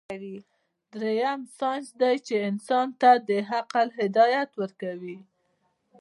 دريم سائنس دے چې انسان ته د عقل هدايت ورکوي